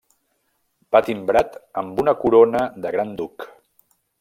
Va timbrat amb una corona de gran duc.